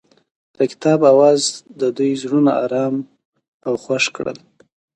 د کتاب اواز د دوی زړونه ارامه او خوښ کړل.